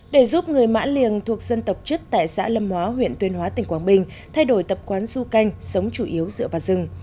để giúp người mã liềng thuộc dân tộc chất tại xã lâm hóa huyện tuyên hóa tỉnh quảng bình thay đổi tập quán du canh sống chủ yếu dựa vào rừng